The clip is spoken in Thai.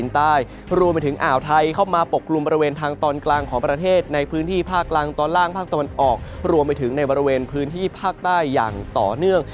ทางตนออกทรวมไปถึงในบริเวณพื้นที่ภาคใต้อย่างต่อเนื่อง